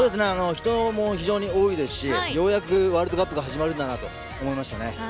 人も非常に多いですしようやくワールドカップが始まるんだなと思いました。